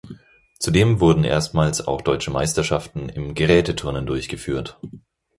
Zudem wurden erstmals auch Deutsche Meisterschaften im Gerätturnen durchgeführt.